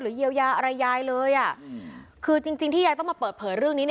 เยียวยาอะไรยายเลยคือจริงที่ยายต้องมาเปิดเผยเรื่องนี้